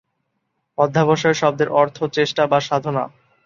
'অধ্যবসায়' শব্দের অর্থ হলো চেষ্টা বা সাধনা।